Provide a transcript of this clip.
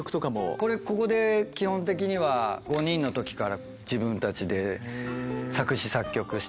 これここで基本的には５人の時から自分たちで作詞作曲して。